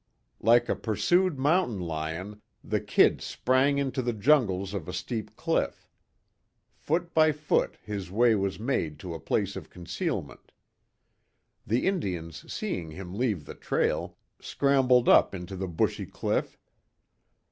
Like a pursued mountain lion, the "Kid" sprang into the jungles of a steep cliff. Foot by foot his way was made to a place of concealment. The Indians seeing him leave the trail, scrambled up into the bushy cliff.